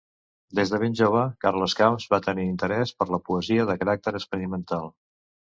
Des de ben jove, Carles Camps va tenir interès per la poesia de caràcter experimental.